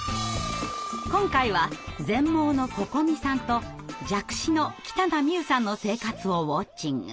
今回は全盲のここみさんと弱視の北名美雨さんの生活をウォッチング！